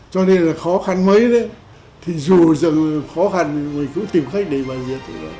cho nên là khó khăn mấy đấy thì dù dần khó khăn người cứ tìm khách để bài diệt